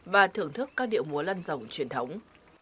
và thưởng thức các điệu múa lân rồng truyền thống